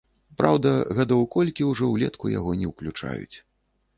Праўда, гадоў колькі ўжо ўлетку яго не ўключаюць.